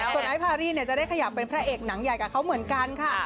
ส่วนไอซ์พารี่จะได้ขยับเป็นพระเอกหนังใหญ่กับเขาเหมือนกันค่ะ